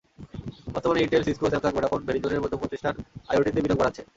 বর্তমানে Intel, Cisco, Samsung, Vodafone, ভেরিজনের মতো প্রতিষ্ঠান আইওটিতে বিনিয়োগ বাড়াচ্ছে।